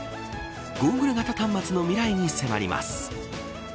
ゴーグル型端末の未来に迫ります。